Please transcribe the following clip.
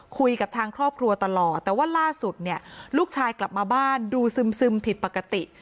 คุยกับทางครอบครัวตลอดแต่ว่าล่าสุดเนี่ยลูกชายกลับมาบ้านดูซึมผิดปกติ